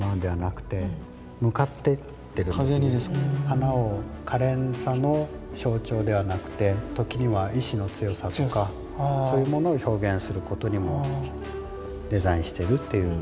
花をかれんさの象徴ではなくて時には意志の強さとかそういうものを表現することにもデザインしてるっていうものなんです。